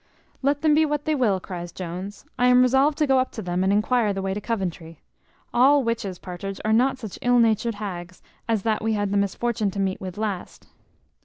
"Let them be what they will," cries Jones, "I am resolved to go up to them, and enquire the way to Coventry. All witches, Partridge, are not such ill natured hags as that we had the misfortune to meet with last."